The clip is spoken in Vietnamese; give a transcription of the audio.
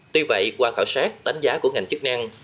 tuy vậy qua khảo sát đánh giá của ngành chức năng